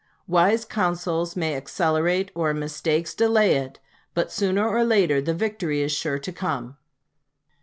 Wise counsels may accelerate or mistakes delay it, but sooner or later the victory is sure to come."